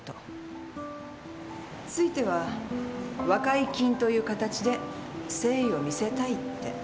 ついては和解金という形で誠意を見せたいって。